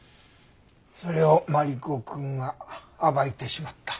それをマリコくんが暴いてしまった。